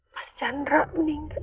pak chandra meninggal